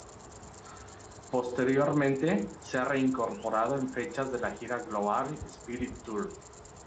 Posteriormente, se ha reincorporado en fechas de la gira Global Spirit Tour.